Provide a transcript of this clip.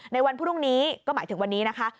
ในวันพรุ่งนี้ก็หมายถึงวันนี้นะคะ